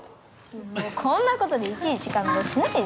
もうこんなことでいちいち感動しない・